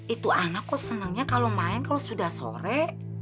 itu anak kok senangnya kalau main kalau sudah sore